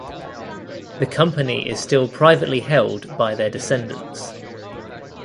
The company is still privately held by their descendants.